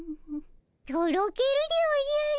とろけるでおじゃる。